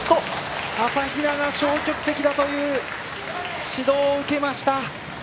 朝比奈が消極的だという指導を受けました。